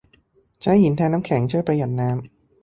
ใช้หินแทนน้ำแข็ง ช่วยประหยัดน้ำ